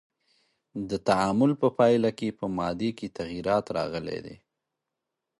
د تعامل په پایله کې په مادې کې تغیرات راغلی دی.